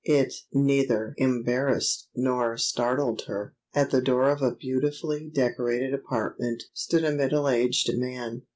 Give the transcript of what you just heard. It neither embarrassed nor startled her. At the door of a beautifully decorated apartment stood a middle aged man.